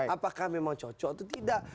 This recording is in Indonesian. apakah memang cocok atau tidak